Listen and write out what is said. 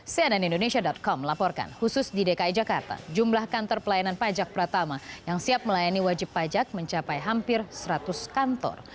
cnn indonesia com melaporkan khusus di dki jakarta jumlah kantor pelayanan pajak pratama yang siap melayani wajib pajak mencapai hampir seratus kantor